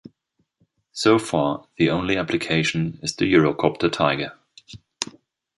So far the only application is the Eurocopter Tiger.